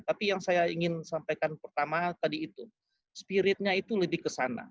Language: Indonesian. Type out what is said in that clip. tapi yang saya ingin sampaikan pertama tadi itu spiritnya itu lebih ke sana